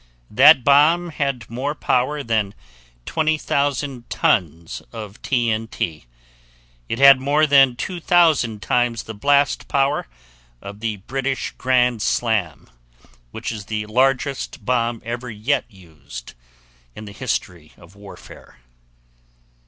That bomb had more power than 20,000 tons of T.N.T. It had more than two thousand times the blast power of the British Grand Slam, which is the largest bomb ever yet used in the history of warfare".